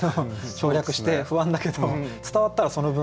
省略して不安だけど伝わったらその分。